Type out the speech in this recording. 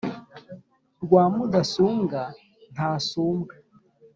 Rwa Mudasumbwa ntasumbwa